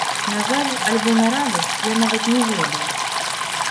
На жаль альбо на радасць, я нават не ведаю.